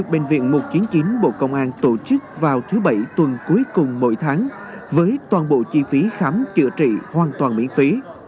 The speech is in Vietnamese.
bệnh viện một trăm chín mươi chín bộ công an tổ chức vào thứ bảy tuần cuối cùng mỗi tháng với toàn bộ chi phí khám chữa trị hoàn toàn miễn phí